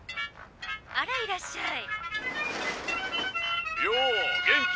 「あらいらっしゃい」。